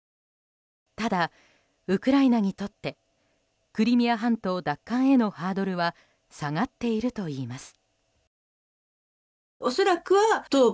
ただ、ウクライナにとってクリミア半島奪還へのハードルは下がっているといいます。